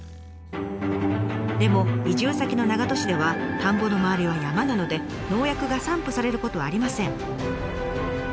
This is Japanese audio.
でも移住先の長門市では田んぼの周りは山なので農薬が散布されることはありません。